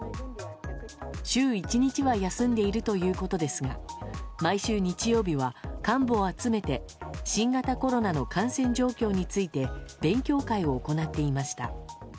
週１日は休んでいるということですが毎週日曜日は幹部を集めて新型コロナの感染状況について勉強会を行っていました。